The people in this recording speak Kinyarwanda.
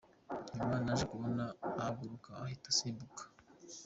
Nyuma naje kubona ahaguruka ahita asimbuka.